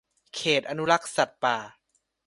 เขตอนุรักษ์สัตว์ป่า